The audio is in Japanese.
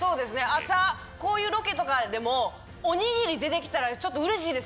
朝、こういうロケとかでもおにぎり出てきたら、ちょっとうれしいです